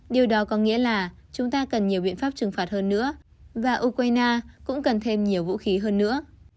điều đó có nghĩa là chúng ta cần nhiều biện pháp trừng phạt hơn nữa và ukraine cũng cần thêm nhiều vũ khí hơn nữa